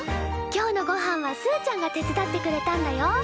今日のごはんはすーちゃんが手伝ってくれたんだよ。